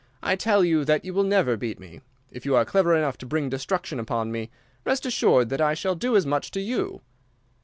I tell you that you will never beat me. If you are clever enough to bring destruction upon me, rest assured that I shall do as much to you.